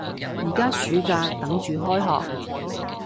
而家暑假，等住開學